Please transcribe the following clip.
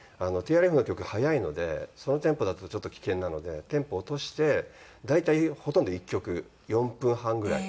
ＴＲＦの曲速いのでそのテンポだとちょっと危険なのでテンポを落として大体ほとんど１曲４分半ぐらい。